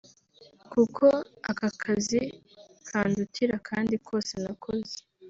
kuko aka kazi kandutira akandi kose nakoze